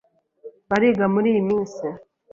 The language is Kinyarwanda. Bariga muriyi minsi.